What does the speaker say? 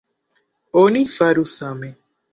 Oni faru same.